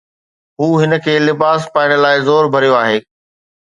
هو هن کي لباس پائڻ لاءِ زور ڀريو آهي.